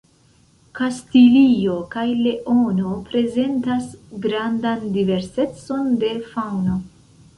Kastilio kaj Leono prezentas grandan diversecon de faŭno.